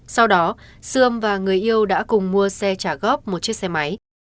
sau đó sươm và người yêu đã cùng mua xe trả góp một chiếc xe máy